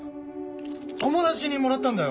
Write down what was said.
友達にもらったんだよ。